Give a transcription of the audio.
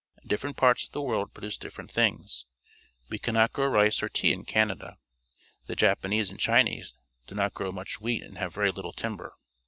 Different parts of the world produce different things. We cannot grow rice or tea in Canada. The Japanese and Chinese do not grow much wheat and have very little timber.